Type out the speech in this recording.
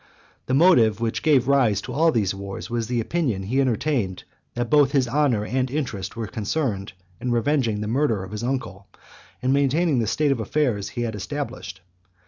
X. The motive which gave rise to all these wars was the opinion he entertained that both his honour and interest were concerned in revenging the murder of his uncle, and maintaining the state of affairs he had established.